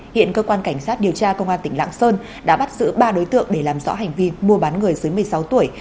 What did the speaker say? hiện cơ quan cảnh sát điều tra công an tỉnh lạng sơn đã bắt giữ ba đối tượng để làm rõ hành vi mua bán người dưới một mươi sáu tuổi